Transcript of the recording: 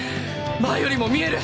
前よりも見える！